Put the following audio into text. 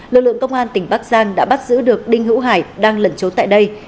lực lượng công an tỉnh bắc giang đã bắt giữ được đinh hữu hải đang lẩn trốn tại đây